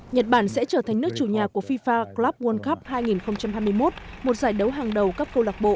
nhật bản sẽ trở thành nước chủ nhà của fifa club world cup hai nghìn hai mươi một